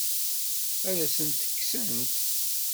Ad asen-ten-kksent?